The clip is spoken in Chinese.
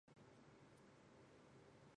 以下列出那些热带气旋的资料。